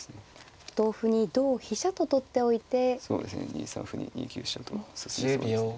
２三歩に２九飛車と進みそうですね。